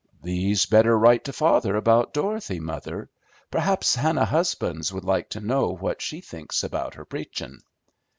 "Thee'd better write to father about Dorothy, mother. Perhaps Hannah Husbands would like to know what she thinks about her preachin'."